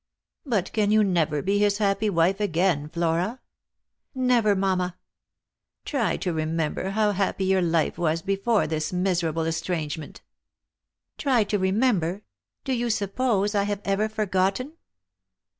" But can you never be his happy wife again, Flora ?" "Never, mamma." " Try to remember how happy your life was before this miser able estrangement." "Try to remember! Do you suppose I have ever for gotten?"